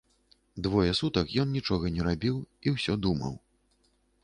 Двое сутак ён нічога не рабіў і ўсё думаў.